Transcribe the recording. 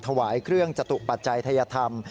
ถวายเครื่องจตุปัจจัยทัยธรรม